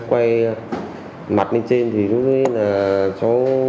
quay mặt lên trên thì lúc ấy là chú